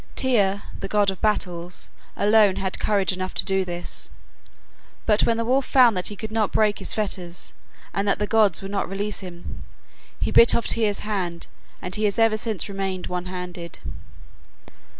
Tyr (the god of battles) alone had courage enough to do this. But when the wolf found that he could not break his fetters, and that the gods would not release him, he bit off Tyr's hand, and he has ever since remained one handed.